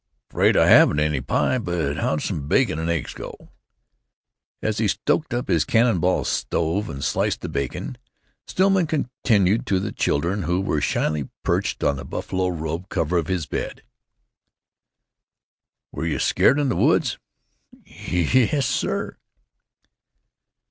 "'Fraid I haven't any pie, but how'd some bacon and eggs go?" As he stoked up his cannon ball stove and sliced the bacon, Stillman continued to the children, who were shyly perched on the buffalo robe cover of his bed, "Were you scared in the woods?" "Yes, sir."